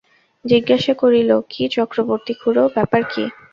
জিজ্ঞাসা করিল, কী চক্রবর্তী-খুড়ো, ব্যাপার কী?